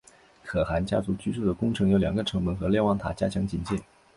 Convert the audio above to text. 可汗家族居住的宫城有两个城门和瞭望塔加强警戒。